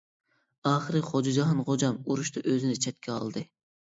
ئاخىرى خوجا جاھان خوجام ئۇرۇشتا ئۆزىنى چەتكە ئالدى.